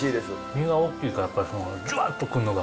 実が大きいからやっぱりこのジュワっとくんのが。